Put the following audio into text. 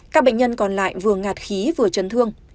các bệnh nhân còn lại vừa ngạt khí vừa chấn thương